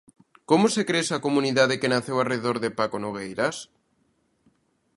Como se crea esa comunidade que naceu arredor de Paco Nogueiras?